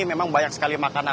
memang banyak sekali makanan